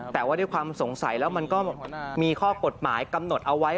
แต่ว่าด้วยความสงสัยแล้วมันก็มีข้อกฎหมายกำหนดเอาไว้